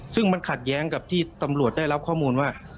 ซึ่งมันขัดแย้งกับที่ตำรวจได้รับข้อมูลว่า